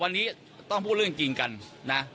วันนี้ต้องพูดเรื่องจริงกันนะ